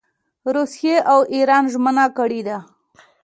روسیې او اېران ژمنه کړې ده.